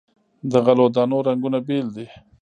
د غلو دانو رنګونه بیل دي.